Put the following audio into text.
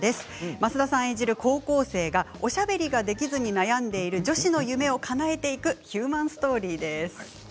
増田さん演じる高校生がおしゃべりができずに悩んでいる女子の夢をかなえていくヒューマンストーリーです。